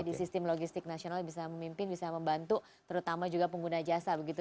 di sistem logistik nasional bisa memimpin bisa membantu terutama juga pengguna jasa begitu